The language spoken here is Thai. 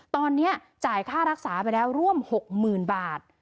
ตอนนี้จ่ายค่ารักษาไปแล้วร่วม๖๐๐๐บาท